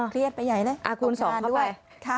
เครียดไปใหญ่เลยตกทางด้วย